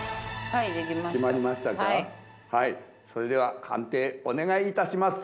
はいそれでは判定お願いいたします。